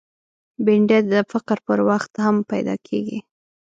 بېنډۍ د فقر پر وخت هم پیدا کېږي